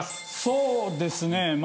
そうですね。